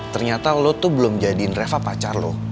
ternyata lo tuh belum jadiin reva pacar loh